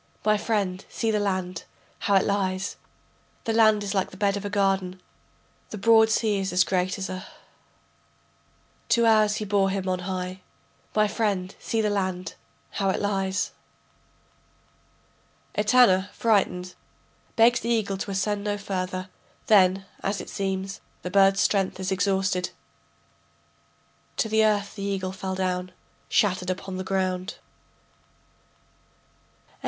My friend see the land, how it lies, The land is like the bed of a garden, The broad sea is as great as a [.] Two hours he bore him on high. My friend see the land, how it lies. [Etana, frightened, begs the eagle to ascend no further; then, as it seems, the bird's strength is exhausted.] To the earth the eagle fell down Shattered upon the ground. VII.